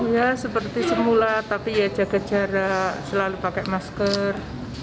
ya seperti semula tapi ya jaga jarak selalu pakai masker